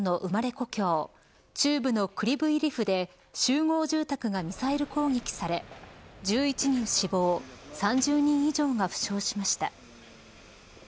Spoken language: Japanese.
故郷中部のクリブイリフで集合住宅がミサイル攻撃され１１人死亡３０人以上が負傷しました。